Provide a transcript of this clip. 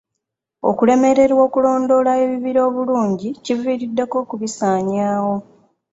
Okulemererwa okulondoola ebibira obulungi kiviiriddeko okubisaanyaawo.